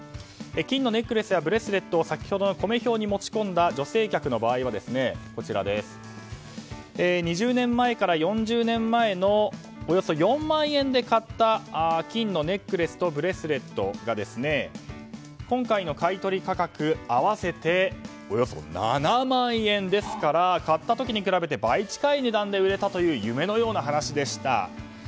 金のネックレスやブレスレットをコメ兵に持ち込んだ女性客の場合は２０年前から４０年前のおよそ４万円で買った金のネックレスとブレスレットが今回の買い取り価格合わせておよそ７万円ですから買ったときに比べて倍近い値段という夢のような話でした。